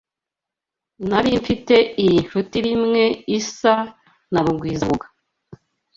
Nari mfite iyi nshuti rimwe isa na Rugwizangoga.